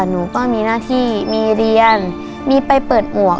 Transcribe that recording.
หนูก็มีหน้าที่มีเรียนมีไปเปิดหมวก